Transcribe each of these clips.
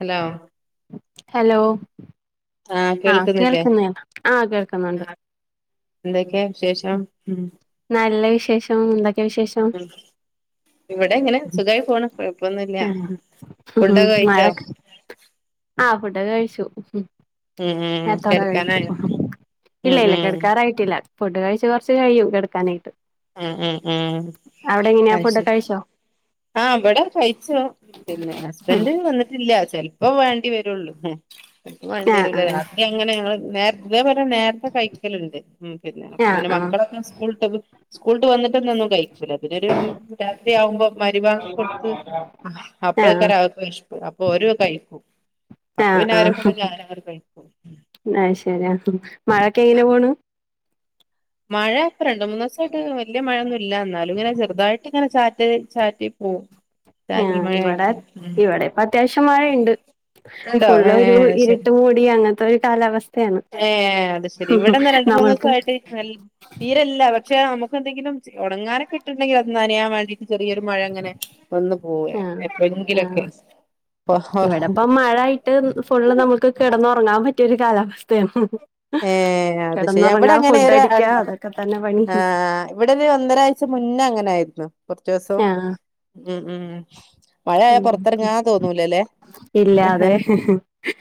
Hello hello ആഹ് കേൾക്കുന്ന ആഹ് കേൾക്കുന്നുണ്ട് എന്തൊക്കെയ വിശേഷം ഉം നല്ല വിശേഷം എന്തൊക്കെയാ വിശേഷം ഉം ഇവിടെ ഇങ്ങനെ സുഖായി പോണ് കുഴപ്പൊന്നുല്ല ആഹ് ഫുഡൊക്കെ കഴിച്ചോ മഴക്ക് ആഹ് ഫുഡൊക്കെ കഴിച്ചു ഉം ഉം നേരത്തോടെ കഴിക്കും കെടക്കാനായോ ഇല്ല ഉം ഇല്ല ഉം കെടക്കാറായിട്ടില്ല ഫുഡ് കഴിച്ച് കുറച്ച് കഴിയും കെടുക്കാനായിട്ട് ഉം ഉം ഉം അവിടെ എങ്ങനെയാ ഫുഡൊക്കെ അയ്ശരി കഴിച്ചോ ആഹ് ഇവടെ കഴിച്ചു പിന്നെ ഹസ്ബൻഡ് വന്നിട്ടില്ല ചെലപ്പോ വേണ്ടി വരുള്ളൂ വേണ്ടി ആഹ് വരൂല്ല ആഹ് രാത്രി അങ്ങനെ ഞങ്ങള് നേ ഇതേപോലെ നേരത്തെ കഴിക്കലുണ്ട് ഉം പിന്നെ അപ്പൊ ആഹ് പിന്നെ ആഹ് മക്കളൊക്കെ സ്കൂള സ്കൂളിട്ട് വന്നിട്ടൊന്ന ഒന്നും കഴിക്കൂല പിന്നൊരു രാത്രിയാവുമ്പോം രിഭാഗം കൊടുത്ത് അപളക്കാര ആഹ് അവർക്ക് വെശപ്പ് അപ്പൊ ഓര് കഴിക്കും അപ്പൊ പിന്നെ അവരെ കൂടെ ഞാനങ്ങട് കഴിക്കും ആഹ്ശരിയാ മഴക്കെ എങ്ങനെ പോണ് മഴ ഇപ്പ രണ്ട് മൂന്ന് ദിവസായിട്ട് വല്ല്യ മഴയൊന്നും ഇല്ല എന്നാലും ഇങ്ങനെ ചെറുതായിട്ട് ഇങ്ങനെ ചാറ്റൽ ചാറ്റി ഉം ആ്ഹ് ഇവിടെ ഇവിടെ ഇപ്പ അത്യാവശ്യം മഴയുണ്ട് ഉണ്ടോ ഫുള് ഒരു ഏഹ് ഇരുട്ട ശരി മൂടി അങ്ങനത്തെ ഒരു കാലാവസ്ഥ ഏഹ് അത് ശെരി ഇവിടെന്നാ രണ്ട മൂന്ന് ദിവസ നമ്മൾക്ക് ആയിട്ട് നല്ല തീരല്ല പക്ഷെ നമുക്ക്ന്തെങ്കിലും ഉടങ്ങാനൊക്കെ ഇട്ടുണ്ടെങ്കിൽ അത്ന്നനെയാൻ വേണ്ടിട്ട് ചെറിയരു മഴ അങ്ങനെ വന്ന് പോവ ആഹ് എപ്പോെങ്കിലൊക്കെ [unintelligible] മഴയി് ട്ട് ഫുള്ള് നമുക്ക് കിടന്നു ഉറങ്ങാൻ പറ്റിയൊ ഒരു കാലാവസ്ഥയാണ് ഏഹ് അത് ശരി ഇവിടെ കിടന്നുറങ്ങാ അങ്ങനെ ഫുഡ് അടിക്കാ അതൊക്കെ തന്നെ പണി ആഹ് ഇവിടെ ഒരു ഒന്നരാഴ്ച മുന്നേ അങ്ങനായിരുന്നു കുറച്ച ദിവസം ആഹ് ഉം ഉം മഴയയാ പൊറത്തിറങ്ങാ തോന്നൂലല്ലേ ഇല്ലാ യാതെ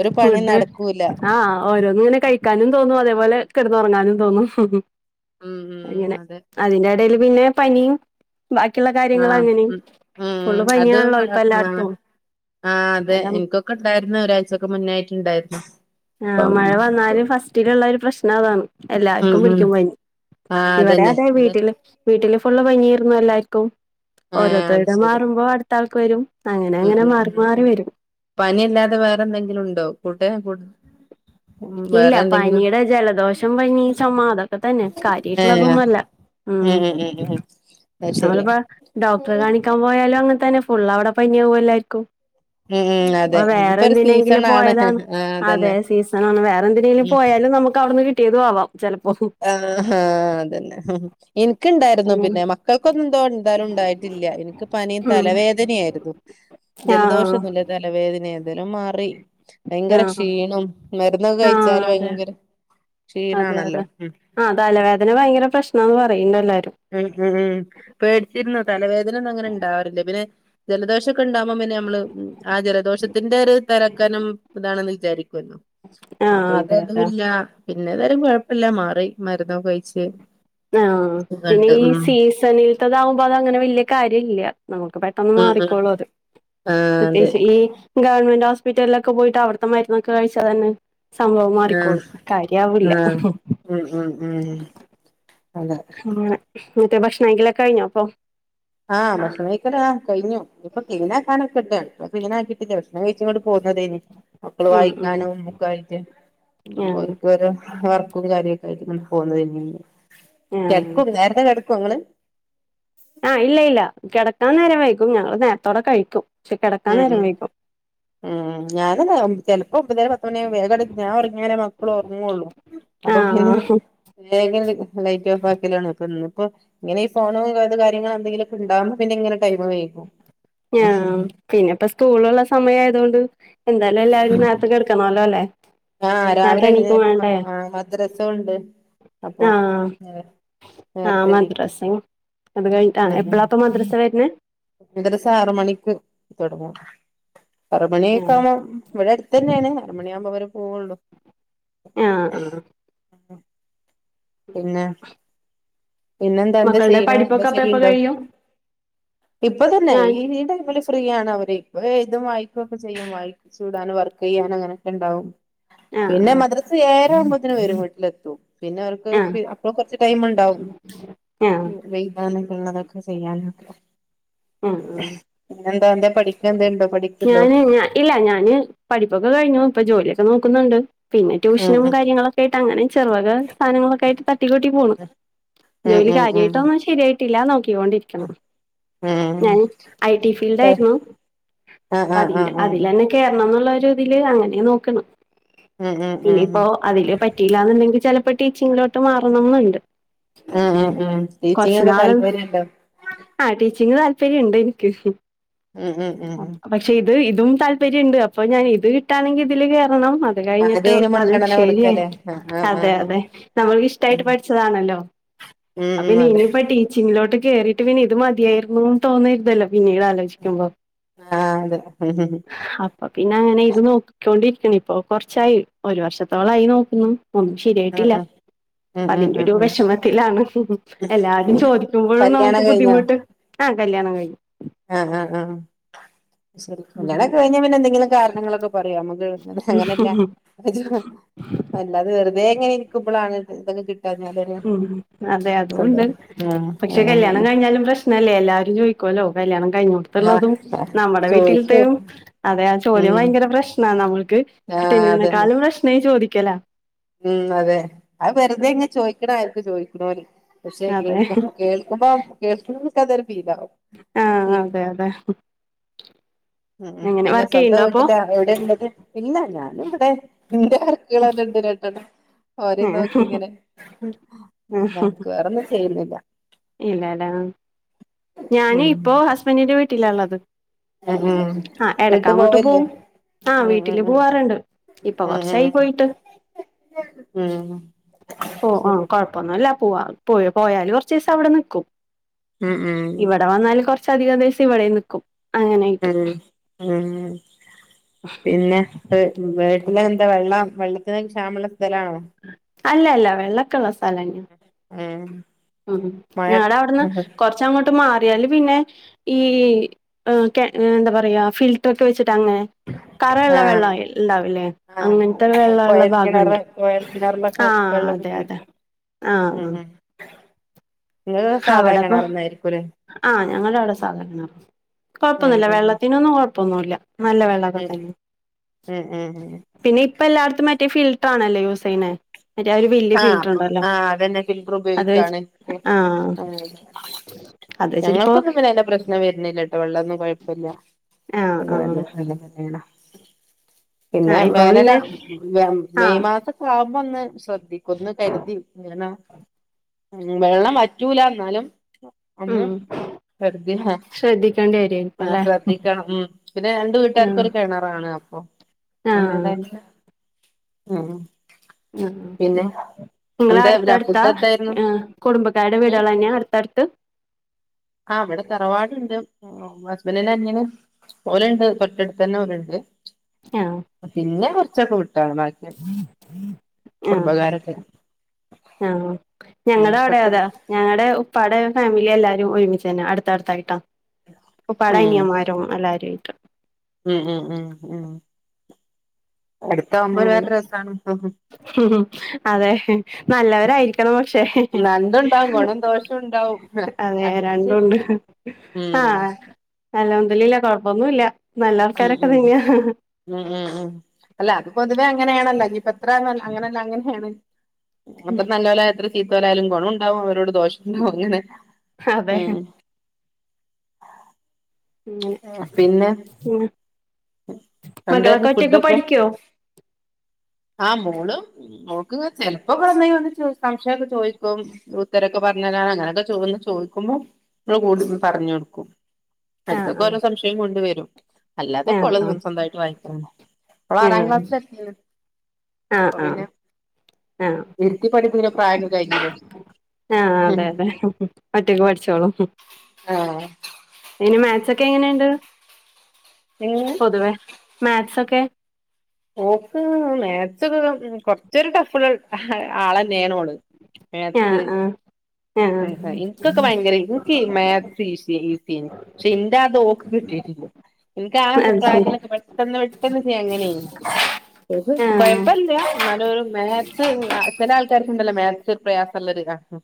ഒരു പണി ഫുഡ് നടക്കൂല ആഹ് ഓരോന്നിനെ കഴി കഴിക്കാനും തോന്നുന്നു അതേപോലെ കെടന്നറങ്ങാനും തോന്നുന്നു ഉം ഉം അതെ അതിന്റെ ഇടൽ പിന്നെ പനിയും ബാക്കിയുള്ള കാര്യങ്ങള ആഹ് അങ്ങനെ ഉം ഫുള്ള് ഉം അത് പനിയാണല്ലോ ഇവടെ ഇപ്പൊ എല്ലായിടത്തും അത തോക്കെ ണ്ടായിരുന്ന ഒരാഴചൊക്കെ മുന്നായിട്ടുണ്ടായിരുന്നു ആഹ് മഴ വന്നാലും ഫസ്റ്റിലുള്ള ഒരു പ്രശ്നം അതാണ് ഉം എല്ലാർക്കും ഉം പിടിക്കു പനി ആഹ് ഇവിടെ അതന്നെ അതെ അത് വീട്ടില് വീട്ടില് ഫുള്ള് പനിയാരുന്നു എല്ലാവർക്കും ആഹ് അത് ഓരോരുത്തരുടെ ശരി മാറുമ്പോൾ അടുത്ത ആൾക്ക് വരും അങ്ങനെ അങ്ങനെ മാറി മാറി വരും പനി അല്ലാതെ വേറെ എന്തെങ്കിലും ഉണ്ടോ കൂടേ ഇല്ല പനിയുടെ ജലദോഷം പനി ചോമ അതൊക്കെ തന്നെ ഏഹ് കാര്യട്ടുള്ളതൊന്നുമല്ല ഉം ഉം ഉം ഉം ഉ നമ്മളിപ്പോ ഡോക്ടറെ കാണിക്കാൻ പോയാലും അങ്ങനെ തന്നെ ഫുള് അവിടെ പനി യാവും ല്ലായിരിക്കും ഉം ഉം പ്പൊ അതെ ഇപ്പൊ ഒരു വേറെന്തിനെങ്കിലും സീസണാണ് പോയതാണ് ആഹ് അതെ അതന്നെ സീസൺ വേറെ എന്തെങ്കിലും ഉം പോയാലും നമുക്ക് വിടുന്ന് കിട്ടിയതും ആവാം ചിലപ്പോൾ ആഹ് ആഹ് അതന്നെ എൻക്കണ്ടായിരുന്നു ഉം പിന്നെ മക്കൾ എനക്കൊന്നുംന്തോന്താലും ഉണ്ടായിട്ടില്ല എനിക്ക് പനിയും ഉം തലവേദനയായിരുന്നു ജലദോഷ ആഹ് ഒന്നുമല്ല തലവേദന ന്തേലും മാറി ഭയങ്കര ആഹ് ക്ഷീണം മരുന്നൊക്കെ ആഹ് കഴിച്ചാല് അതെ ഭയങ്കര അതെ അതെ ക്ഷീണാണല്ലോ ഉം ആഹ് തലവേദന ഭയങ്കര പ്രശ്നന്ന് പറയുന്നു എല്ലാവരും ഉം ഉം ഉം പേടിച്ചിരുന്ന തലവേദന ഒന്നും അങ്ങനെ ണ്ടാവാറില്ലേ പിന്നെ ജലദോഷ ഉണ്ടാകുമ്പ പിന്നെ നമ്മള് ആജല ദോഷത്തിന്റെ ഒരു തരക്കനം ഇതാണെന്ന് വിചാരിക്കുവല്ലോ ആഹ് അപ്പൊ ഇത് അതെ അതെ അതല്ല പിന്നെതാലും കുഴപ്പില്ല മാറി മരുന്നൊ കെ കഴിച്ച് ആഹ് പിന്നെ സുഖണ്ട് ഈ ഉം സീസണിലത്തതാകുമ്പോ അത അങ്ങനെ വലിയ കാര്യം ഇല്ല നമുക്ക് പെട്ടന്ന് ഉം ഉം മാറിക്കോളൂ അത് ആഹ് അതെ പ്രത്യേകിച്ച് ഈ ഗവൺമെന്റ് ഹോസ്പിറ്റലിലൊക്കെ പോയിട്ട് അടത്തെ മരുന്നൊക്കെ കഴിച്ചാ തന്നെ സംഭവം ആഹ് മാറിക്കോളും കാര്യ ആവില്ല ആഹ് ഉം ഉം ഉം അതെ ആങ്ങന വീട്ടിൽ ഭക്ഷണ കഴിക്കൽ കഴിഞ്ഞോ അപ്പൊ ആഹ് ഭഷണംക്കയ്ക്ക കഴിഞ്ഞു ഇപ്പൊ ക്‌ളീനാ കാണക്കട്ടെ ക്ലീനക്കിട്ടില്ല ഭക്ഷ്ണം കഴിച്ചോട പോന്നതേന് മക്കള് ഉം ഉം വായിക്കാനും ഒക്ക ആയിട്ട് ആഹ് ഒർക് വർക്കും കാര്യൊക്ക [unintelligible] പോന്നത് ആഹ് കിടക്കും നേരത്തെ കെടക്കും അങ്ങള് ആഹ് ഇല്ല ഇല്ല കിടക്കാൻ നേരം വൈകും ഞങ്ങള് നേരത്തോടെ കഴിക്കും ക്കാൻ ഉം നേരവൈകും ഉം ഞാന ചിലപ്പോ ഒമ്പതേരെ പത്തുമണ വേഗ ഞാൻ ഉറങ്ങനെ മക്കള ഉറങ്ങുവുള്ളൂ അപ്പൊ പിന്നെ ആഹ് വേഗം ലൈറ്റ് ഓഫ് ആക്കിയലാണ് ഇപ്പൊ ന്ന് ഇപ്പോ ങ്ങനെ ഈ ഫോണും കാര്യങ്ങള എന്തെിലൊക്കെണ്ടകുമ്പ പിന്നെങ്ങനെടൈ് വേകും ആ പിന്നെ ഇപ്പോ സ്കൂളുള്ള സമയ ആയത് കൊണ്ട് എന്തായാലും എല്ലാവരും നേരത്തെ കെടക്കണല്ലോ ല്ലേ ആഹ് രാവിലെ നേരത്തെ മ ആ മദ്രസുംണ്ട് അപ്പൊ ആഹ് എ ആഹ് നേരത്തെണീക്കണം മദ്രസയും അത് കഴിഞ്ഞിട്ട ആ എപ്പളാപ്പോ മദ്രസ വരുന്നത്? മദ്രസ്സ ആറ് മണിക്ക് തുടങ്ങും ആറ് ആ മണിയൊക്കെ ആവുമ്പോ ഇവിടെ അടുത്ത് തന്നെയാണ് ആറ് മണിയാവുമ്പോ ഇവര് പോവോള്ളു ആഹ ആഹ പിന്നെ പിന്നെന്താ എന്താ മക്കളുടെ ചെയ്യണേ എന്തെം പഠിപ്പൊക്കെ അപ്പ എപ്പ ചെയ്യ്ണ്ടോ കഴിയും ഇപ്പൊ തന്നെ ഞാൻ ഈ ടൈംമിൽ ഫ്രീ ആണ് അവര് ഇപ്പം എഴുതും വായിക്കുവൊക്കെ ചെയ്യും വായിപ്പിച്ചിടാനും വർക്ക് ചെയ്യാനും അങ്ങനെയൊക്കെ ഇണ്ടാവും ആ പിന്നെ ആ മദ്രസ് ഏഴര ആവുമ്പത്തേന് വരും വീട്ടിലെത്തും. പിന്നെ ഓൽക്ക് ആ അപ്പളും കുറച്ച് ടൈം ഇണ്ടാവും ആ ആ എഴുതാനൊക്കെ ഉള്ളതൊക്കെ ചെയ്യാനൊക്കെ ആ പിന്നെന്താ എന്തേം പഠിക്കെ എന്തെം ഇണ്ടോ പഠിക്കുണ്ടോ? ഞാന് ഞ ഇല്ല ഞാന് പഠിപ്പൊക്കെ കഴിഞ്ഞു ഇപ്പൊ ജോലിയൊക്കെ നോക്കുന്നുണ്ട് പിന്നെ ഉം ട്യൂഷനും കാര്യങ്ങളൊക്കെ ആയിട്ട് അങ്ങനെ ചെറുവക സാധനങ്ങളൊക്കെ ആയിട്ട് തട്ടിക്കൂട്ടി പോണ്, ഉം ജോലി ഉം ഉം കാര്യമായിട്ടൊന്നും ശരിയായിട്ട് ട്ടില്ല നോക്കിക്കൊണ്ടിരിക്ക്ണ്. ഉം ഉം ഞാൻ ഐ ടി ഫീൽഡ് ഉം ആയിരുന്നു ആഹ് അപ്പം ആഹ് അതിന്റെ ആഹ് ആഹ് അതിലന്നെ കേറണം എന്നുള്ള ഒരുഇതില് അങ്ങനെ നോക്കുണു ഉം ഉം ഉം ഇനിയിപ്പോ അതില് പറ്റി റ്റിയിലാന്നുണ്ടെങ്കിൽ ചിലപ്പോ ടീച്ചിങ്ങിലോട്ട് മാറണംമെന്നുണ്ട്. ആ ആ ആ ടീച്ചിങ്ങ് ഒക്കെ താല്പര്യം ഇണ്ടോ? ആഹ ടീച്ചിങ് താല്പര്യം ഇണ്ട് എനിക്ക്. ഉം, ഉം, ഉം, പക്ഷെ ഇത് ഇതും താല്പര്യം ഇണ്ട് അപ്പൊ ഞാൻ ഇത് കിട്ടാണെങ്കിൽ ഇതില് കേറണം. അത് കഴിഞ്ഞിട്ട്, ആദ്യയിന് അത് മുൻഗണന ശരിയായി കൊടുക്കല്ലേ ആഹ് ആഹ് അതെ ആഹ് അതെ നമ്മൾക്ക് ഇഷ്ടായിട്ട് പഠിച്ചതാണല്ലോ. ഉം അതെ ടീച്ചിങ്ങ് ലോട്ട് കേറിയിട്ട് പിന്നെ ഇത് മതിയായിരുന്നുന്ന് തോന്നരുധല്ലോ പിന്നീട് ആലോചിക്കുമ്പോ. ആഹ, അതെ അപ്പൊ പിന്നെ അങ്ങനെ ഇത് നോക്കിക്കൊണ്ടിരിക്കണ് ഇപ്പൊ കൊറച്ചായി ഒരു വർഷത്തോളായി നോക്കുന്നു. ഒന്നും ശരിയായിട്ടില്ല. ഉം അതിന്റെ ഉം ഉം ഒരു ഉം വിഷമത്തിലാണ് എല്ലാരും ചോദിക്കുമ്പോഴും കല്യാണം നമുക്ക് ബുദ്ധിമുട്ട്. ആ കല്യാണം കഴിഞ്ഞു. ആ, ആ ആ ശരി കല്യാണം ഒക്കെ കഴിഞ്ഞാ പിന്നെ എന്തെങ്കിലും കാരണങ്ങളൊക്കെ പറയാ നമ്മു അങ്ങനല്ല, അല്ലാതെ വെറുതെ ഇങ്ങനെ ഇരിക്കുമ്പളാണ് ഇതൊക്കെ കിട്ടാഞ്ഞാലൊരു ഉം, അതെ സന്തോ അതുംണ്ട് ഉം പക്ഷെ ഉം കല്യാണം കഴിഞ്ഞാലും പ്രശ്നം ല്ലേ എല്ലാരും ചോദിക്കുവല്ലോ കല്യാണം ആഹ് കഴിഞ്ഞോട്ത്തുള്ളതും, നമ്മുടെ ചോദിക്കൂ വീട്ടിലത്തെയും അതെയാ ആ ചോദ്യം ഉം ഭയങ്കര പ്രശ്ന നമ്മൾക്ക്, ആഹ് അതന്നെ കിട്ടുന്നതിനെക്കാളും പ്രശ്നം ചോദിക്കല ഉം, അതെ അത് വെറുതെ ഇങ്ങ് ചോയ്ക്ക്ണതായിരിക്കും ചോയ്ക്കുന്നോര്. പക്ഷെ അതെ കേൾക്കുമ്പം, കേൾക്കുമ്പോ കേൾക്ക്ന്നോർക്ക് അതൊരു ഫീലാവും. ആഹ, ഉം അതെ അതെ ഉം എങ്ങനെ പിന്നെ വർക്ക് സ്വന്തം ചെയ്യണ്ടോ അപ്പൊ വീട്ടില എവിടെ ഇള്ളത് ഇല്ല ഞാനും ഇവിടെ ഇന്റെ മക്കള് തന്നെണ്ട് രണ്ടെണ്ണം ഓരേ നോക്കി ഇങ്ങനെ [unintelligible] വെറൊന്നും ചെയ്യുന്നില്ല ഇല്ലട, ഞാന് ഉം ഇപ്പോ ഹസ്ബന്റിന്റെ വീട്ടില ഉള്ളത് ഉം ഉം ആ എടക്ക് വീട്ട് അങ്ങോട്ട് പോവല്ലേ പോവും ആ ഉം വീട്ടില് ഉം ഉം പോവാറ്ണ്ട്, ഇപ്പൊ കൊറച്ചായി പോയിട്ട്. മ്മ് പോവാ, ആ കൊഴപ്പൊന്നും ഇല്ല പോവാ പോ പോയാല് കൊറച്ച് ദിവസം അവിടെ നിക്കും ഉം ഉം ഇവിടെ വന്നാല് കൊറച്ചധികം ദിവസം ഇവിടെയും നിൽക്കും ഉം ഉം പിന്നെ വീട്ടില് എന്താ വെള്ളം വെള്ളത്തിന് ക്ഷാമള്ള സ്ഥലാണോ അല്ല അല്ല വെള്ളക്കുള്ള സ്ഥലന്നാ ഏഹ് ഉം ഞങ്ങടെ അവിടുന്ന് കൊറച്ച അങ്ങോട്ട് മാറിയാല് പിന്നെ ഈ എ എന്താ പറയാ ഫിൽട്രൊക്കെ വെച്ചിട്ടങ്ങനെ കറള്ള ആഹ് വെള്ളം ഉണ്ടാവില്ലേ അങ്ങനത്തെ ആഹ് വെള്ളള്ള കൊയൽ കിണറ് ഭാഗണ്ട് കൊയൽ കിണറിലോക്കെ ആഹ് വെള്ളം അതെ അതെ ഉപയോഗി ആഹ് ഉം ങ്ങള് ആഹ് സാദാ അവിടെപ്പൊ കിണർ ന്നായിരിക്കുലേ ആഹ് ഞങ്ങളാടെ സാധാ കിണറ്ന്ന് ഉം കൊഴപ്പൊന്നുമില്ല ഉം വെള്ളത്തിനൊന്നും കൊഴപ്പൊന്നുല്ല നല്ല വെള്ളൊക്കെ ഉം തന്നെയാ ഉം ഉം ഉം പിന്നെ ഇപ്പ എല്ലാട്ത്തും മറ്റേ ഫിൽട്ടർ ആണല്ലേ യൂസെയ്യനെ ആഹ് ആഹ് അതെന്നെ ഫിൽറ്റർ അത് വെച്ച് ഉപയോഗിക്കാണ് എ ആഹ്. അത് വെച്ചിട്ടിപ്പോ ഞങ്ങൾക്കൊന്നും പിന്നെ പ്രശ്നം വരുന്നില്ല ട്ടോ വെള്ളൊന്നും കെയപ്പല്ല ആഹ് ആഹ് അങ്ങനല്ല അന പിന്നെ ആഹ് ഇപ്പൊ വേനലാ പിന്നെ മെയ് ആഹ് മാസക് ആവുമ്പോ ഒന്ന് ശ്രെദ്ദിക്കും ന്ന് കരുതി കരണം ഉം വെള്ളം വറ്റൂല എന്നാലും ഉം. [unintelligible] ശ്രദ്ധിക്കേണ്ടി വരുമായിരിക്കും ആഹ് അല്ലെ ശ്രദ്ധിക്കണം ഉം പിന്നെ രണ്ട് വീട്ടാർക്കും ആഹ് ഒരു കിണറ ആണ് അപ്പൊ ആഹ് [unintelligible] ഉം ആഹ് ഓക്കെ. പിന്നെ ങ്ങൾ എന്താ അടുത്തടുത്താ ഫുഡ് എന്തായിരുന്നു ആഹ് കുടുംബക്കാരുടെ ഉം വീടുകളെന്നെയ അടുത്തടുത്ത്. ആഹ് വിടെ തറവാടുണ്ട്. ഉം ഹസ്ബന്റ് ന്റെ അനിയൻ ഓലണ്ട് തൊട്ടടുത്ത് തന്നെ ഓലണ്ട് ആഹ്. പിന്നെ കുറച്ചൊക്കെ വിട്ടാണ് ബാക്കി ആഹ് കുടുംബക്കാരൊക്കെ ആഹ് ഉം ഞങ്ങടെ അവിടെ അതാ തൊട്ടടുത്ത് ഞങ്ങടെ ഉപ്പാടെ ഫാമിലി എല്ലാരും ഒരുമിച്ചന്നെ അടുത്തടുത്തായിട്ടാ ഉപ്പാടെ ഉം അനിയൻ മാരും എല്ലാരും ആയിട്ട് ഉം ഉം ഉം ഉം അടുതാവുമ്പോ വേറെ രസാണ് ഉം ഉം അതെ നല്ലവരായിരിക്കണം പക്ഷെ ഗുണവും ദോഷം ഉണ്ടാവും അതെ രണ്ടുണ്ട് ഉം ആഹ്. അൽഹംദുലില്ലാഹ് കുഴപ്പൊന്നുല്ല നല്ല ഉം വർത്താനൊക്കെ ഉം തന്നെയാ ഉം ഉം ഉം അല്ല അത് പൊതുവെ അങ്ങനെയാണല്ലോ ഞ്ഞി പ്പോ എത്രെണെ അങ്ങനെയല്ല അങ്ങനെയാണ് അപ്പോ നല്ലൊലാരിചിട്ട് ചീത്തോലായാലും ഗുണം ഉണ്ടാവും അവരോട് ദോഷം ണ്ടാവും അങ്ങനെ അതെ ഉം. പിന്നെ ഉം മകളൊക്കെ എന്തായിരുന്നു ഒറ്റക്ക് പഠിക്കോ? ആഹ് മോൾ മോൾക്ക് ഇങ്ങനെ ചെലപ്പോ വ്ടെ എന്തെങ്കിലുംക്കെ സംശയൊക്കെ ചോയിക്കും ഉത്തരൊക്കെ പറഞ്ഞരാന് അങ്ങനെയൊക്കെചോയ് വന്നു ചോദിക്കുമ്പോ മ്മൾ കൂടിരിന്ന് പറഞ് കൊടുക്കും ആഹ് എടേക്കൊക്കെ ആഹ് ഓരോ സംശയം കൊണ്ട് വരും.. അല്ലാത്തപ്പോ ആഹ് ഓൾ ആഹ് സ്വന്തായിട്ട് വായിക്കും ഓൾ ആറാം ക്ലാസ്സിൽ എത്തീണ് അ ആഹ്.. ആഹ് ഇരുത്തി പഠിപ്പിണ പ്രായക്കെ കയിഞ്ഞില്ലേ ആഹ് അതെ അതെ ഒറ്റക്ക് പഠിച്ചോളും ആഹ്.. ഈന് മാത്‍ സൊക്കെ എങ്ങനെയ്ണ്ട് എങ്ങനെ? പൊതുവേ മാത്‍സൊക്കെ മാത്‍സ് മാത്‍സ് ഒക്കെ കുറച്ച് ഒരു ടഫുള്ള ആളെന്നെണ് ഓള് മാത്‍സ് ആഹ് ആഹ് ആഹ് ഇനിക്കൊക്കെ ഭയങ്കരെനു ഇന്കി മാത്‍സ് ഈസി എയ്നി പക്ഷെ ന്റെ ആത് ഓൾക്ക് കിട്ടീട്ടില്ല. ഇന്ക്ക് ആ അത് ശരി പ്രായത്തിലൊക്കെ പെട്ടെന്ന് പെട്ടെന്ന് ചെയ്യാം അങ്ങനെയ്നി ഓൾക്ക് ആഹ് കൊഴപ്പല്ല ന്നാലും ഓൾക്കൊരു മാത്‍സ് ആ ചെലെ ആൾക്കാർ ക്കുണ്ടല്ലോ ഇണ്ടല്ലോ മാത്‍സ് ഒരു പ്രയാസം ഉള്ളര് ആഹ്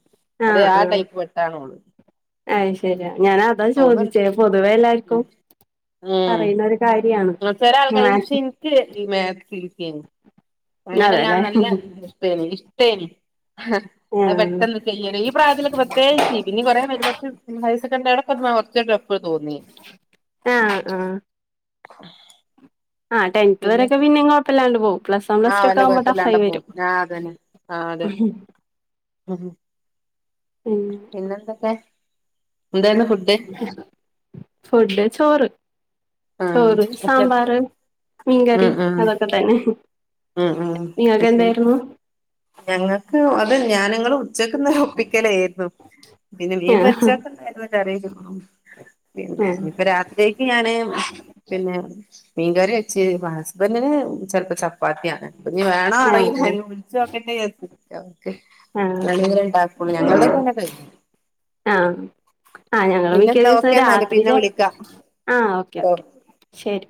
അതെ ആ ടൈപ്പ് പെട്ടാണ് ഓൾ. അയ് ശെരി ഞാൻ അതാ തോന്ന്ണ്ട് ചോദിച്ചേ പൊതുവേ എല്ലാർക്കും ഉം പറയുന്ന ഒര് കാര്യാണ് മാത്‍സ്. ന്ക്ക് മാത്‍സ് ഈസി എയ്നി. അങ്ങനെല്ലാ അതെല്ലേ നല്ല ഇഷ്ട്ടേനി ഇഷ്ട്ടേനി അത് ആഹ് പെട്ടെന്ന് ചെയ്യും ഈ പ്രായത്തിലൊക്കെ പ്രത്യേകിച്ച് പിന്നെ കോറേ വേരും പക്ഷെ ഹയർസെക്കൻഡറിടക്കെ കുറച്ചൊരു ട്ടഫ് തോന്നി ആഹ് ആഹ് ആഹ് ട്ടെൻത്തു പിന്നെ വരൊക്കെ പിന്നിം കുഴപ്പല്ലാണ്ട് പോവും പ്ലസ് വൺ പ്ലസ് ആഹ് ടു വല്ല ഒക്കെ ആവുമ്പ ടെഫ് കൊഴപ്പല്ലാണ്ട ആയി പോവും വരും ആഹ് അതന്നെ ആഹ് അതെ ഉം ഹ് ഉം പിന്നെന്തൊക്കെ എന്തേനി ഫുഡ്‌ ഫുഡ്‌ ചോറ് ആഹ് ചോറ് ഉച്ച സാമ്പാർ ഉം മീൻകറി ഉം അതൊക്കെ തന്നെ ഉം ഉം അത് നിങ്ങൾക്ക് ശെരി എന്തായിരുന്നു ഞങ്ങൾക്ക് അത് ഞാനങ്ങളും ഉച്ചക്ക്ന്ന് ഒരു ഒപ്പിക്കലെർന്നു പിന്നെ മീൻ ആഹ് പൊരിച്ചെക്കെണ്ടായിരുന്നു കറി ഇതും പിന്നെ ആഹ് ഇഞ്പ്പൊ രാത്രിയെ ക്ക് ഞാൻ പിന്നെ മീൻകറി വെച്ചിന് ഹസ്ബന്റിന് ചെൽപ്പോ ചപ്പാ പ്പാത്തിയാണ് ഇഞ് വേണോ ആഹ് അറീല്ല അയിന് വിളിച്ചു നോക്കട്ടെ വിചാരിച് നിക്കാ ആഹ് ഇങ്ങളീങ്ങനെണ്ടാക്കോള്ളൂ ഞങ്ങളതൊക്കെ പിന്നെ കഴിഞ്ഞിനു ആഹ് ആഹ് ഞങ്ങള് മിക്ക ദിവസം ഓക്കെ എന്നാല് രാത്രി പിന്നെ ച വിളിക്കാം ആഹ് ഓക്കെ ഓ ഓക്കെ ശരി